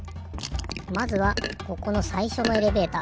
まずはここのさいしょのエレベーター。